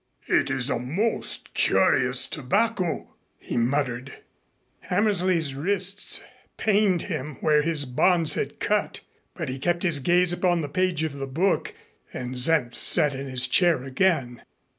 "It is a most curious tobacco," he muttered. Hammersley's wrists pained him where his bonds had cut, but he kept his gaze upon the page of the book, and Senf sat in his chair again.